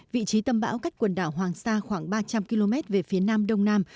vị trí tâm bão cách quần đảo hoàng sa khoảng ba trăm linh km về phía nam đông nam